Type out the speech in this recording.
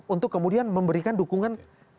untuk kemudian memberikan dukungan